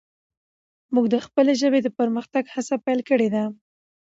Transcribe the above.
موږ د خپلې ژبې د پرمختګ هڅه پیل کړي ده.